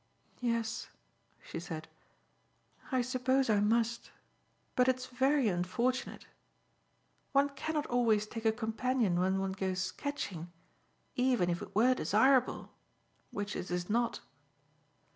"Yes," she said. "I suppose I must, but it's very unfortunate. One cannot always take a companion when one goes sketching even if it were desirable, which it is not."